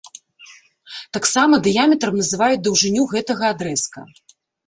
Таксама дыяметрам называюць даўжыню гэтага адрэзка.